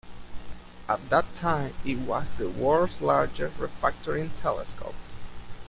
At that time, it was the world's largest refracting telescope.